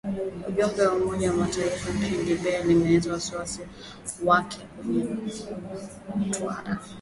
Ujumbe wa Umoja wa Mataifa nchini Libya ulielezea wasiwasi wake kwenye twita